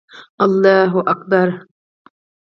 الله اکبر